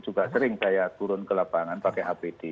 juga sering saya turun ke lapangan pakai apd